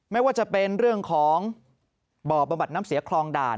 ไม่ว่าจะเป็นเรื่องของบ่อบำบัดน้ำเสียคลองด่าน